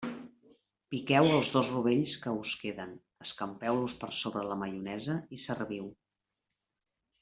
Piqueu els dos rovells que us queden, escampeu-los per sobre la maionesa i serviu.